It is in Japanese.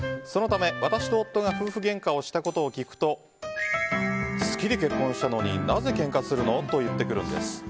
そのため私と夫が夫婦げんかをしたことを聞くと好きで結婚したのになぜけんかするの？と言ってくるんです。